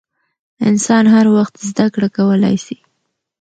انسان هر وخت زدکړه کولای سي .